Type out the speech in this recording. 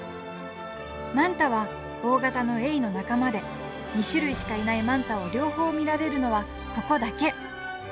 マンタは大型のエイの仲間で２種類しかいないマンタを両方見られるのはここだけ！